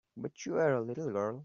But you were a little girl.